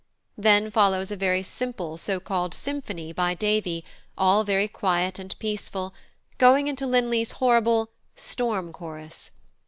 Then follows a very simple so called symphony by Davy, all very quiet and peaceful, going into Linley's horrible "Storm Chorus."